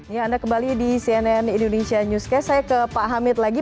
ya anda kembali di cnn indonesia newscast saya ke pak hamid lagi